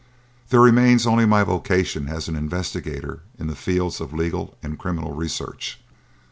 There remains only my vocation as an investigator in the fields of legal and criminal research.